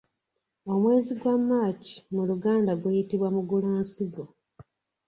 Omwezi gwa March mu luganda guyitibwa Mugulansigo.